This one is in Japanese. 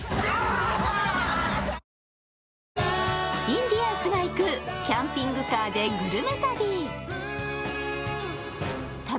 インディアンスが行くキャンピングカーでグルメ旅。